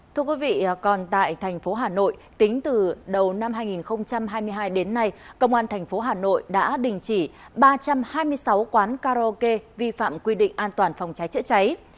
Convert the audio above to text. thưa quý vị còn tại thành phố hà nội tính từ đầu năm hai nghìn hai mươi hai đến nay công an thành phố hà nội đã đình chỉ ba trăm hai mươi sáu quán karaoke vi phạm quy định an toàn phòng cháy chữa cháy